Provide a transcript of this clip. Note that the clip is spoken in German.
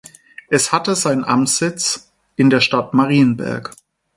Es hatte seinen Amtssitz in der Stadt Marienberg.